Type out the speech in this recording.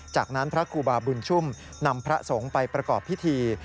จากนั้นพระครูบาบุญชุ่มนำพระสงฆ์ไปประกอบพิธี